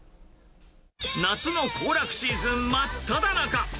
夏の行楽シーズン真っただ中。